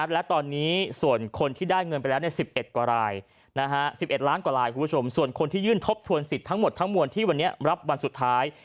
และตอนนี้ส่วนคนที่ได้เงินไปแล้ว๑๑กว่าราย๑๑ล้านกว่ารายคุณผู้ชมส่วนคนที่ยื่นทบทวนสิทธิ์ทั้งหมดทั้งมวลที่วันนี้รับวันสุดท้าย